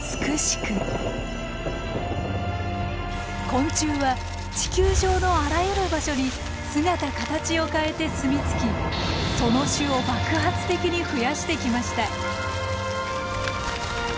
昆虫は地球上のあらゆる場所に姿形を変えてすみつきその種を爆発的に増やしてきました。